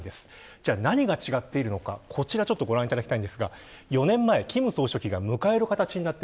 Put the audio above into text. じゃあ、何が違っているのかこちらご覧いただきたいんですが４年前、金総書記が迎える形です。